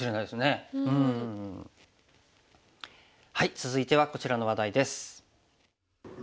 続いてはこちらの話題です。